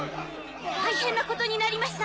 大変なことになりました！